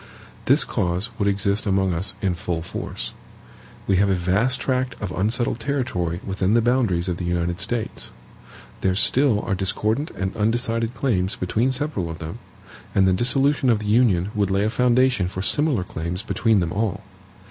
This cause would exist among us in full force. We have a vast tract of unsettled territory within the boundaries of the United States. There still are discordant and undecided claims between several of them, and the dissolution of the Union would lay a foundation for similar claims between them all.